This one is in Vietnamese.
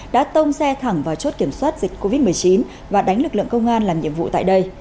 đã tông xe thẳng vào chốt kiểm soát dịch covid một mươi chín và đánh lực lượng công an làm nhiệm vụ tại đây